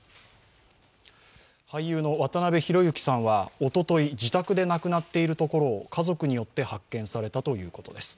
俳優の渡辺裕之さんはおととい自宅で亡くなっているところを家族によって発見されたということです。